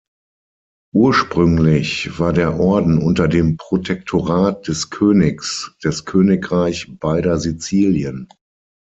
Ursprünglich war der Orden unter dem Protektorat des Königs des Königreich beider Sizilien.